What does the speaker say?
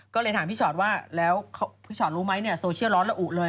ก็เลยถามพี่ชอตว่าแล้วพี่ชอตรู้ไหมเนี่ยโซเชียลร้อนละอุเลย